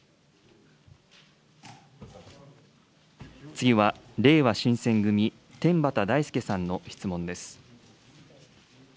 次はれいわ新選組、天畠大輔さんの質問です。